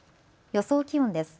予想気温です。